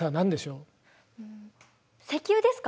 うん石油ですか？